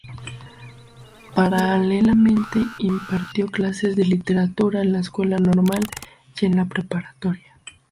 Paralelamente impartió clases de literatura en la Escuela Normal y en la Preparatoria.